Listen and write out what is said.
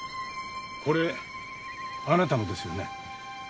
これあなたのですよね？